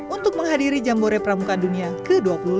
untuk menghadiri jambore pramuka dunia ke dua puluh lima